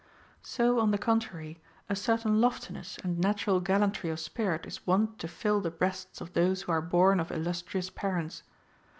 * So, on the contrary, a certain loftiness and natural gal lantry of spirit is wont to fill the breasts of those who are born of illustrious parents.